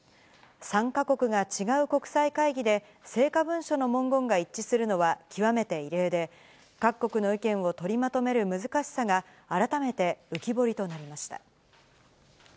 参加国が違う国際会議で、成果文書の文言が一致するのは極めて異例で、各国の意見を取りまとめる難しさが改めて浮き彫りとなりました。